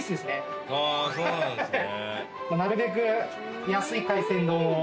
そうなんですね。